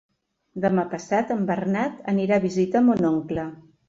Demà passat en Bernat anirà a visitar mon oncle.